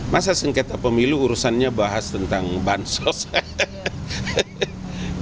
masa sengketa pemilu urusannya bahas tentang bansos